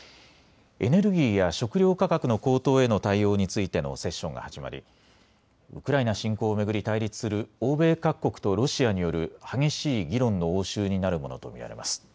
エネルギーや食料価格の高騰への対応についてのセッションが始まりウクライナ侵攻を巡り対立する欧米各国とロシアによる激しい議論の応酬になるものと見られます。